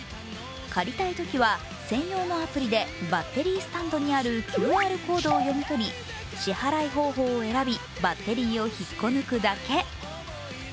借りたいときは専用のアプリでバッテリースタンドにあるＱＲコードを読み取り、支払い方法を選び、バッテリーを引っこ抜くだけ。